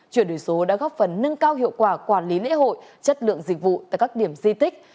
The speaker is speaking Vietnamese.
chuyển đổi số đã góp phần nâng cao hiệu quả quản lý lễ hội chất lượng dịch vụ tại các điểm di tích